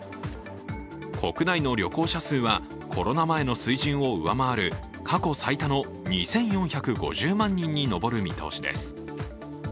国内の旅行者数はコロナ前の水準を上回る過去最多の２４５０万人に上る見通しです。